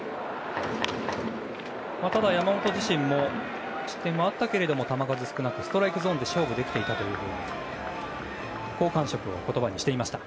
ただ、山本自身も失点はあったけれども球数少なくストライクゾーンで勝負できていたと好感触を言葉にしていました。